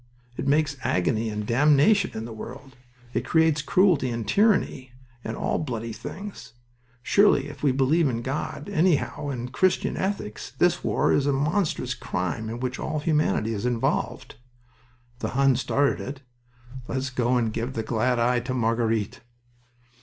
It makes agony and damnation in the world. It creates cruelty and tyranny, and all bloody things. Surely if we believe in God anyhow in Christian ethics this war is a monstrous crime in which all humanity is involved." "The Hun started it... Let's go and give the glad eye to Marguerite."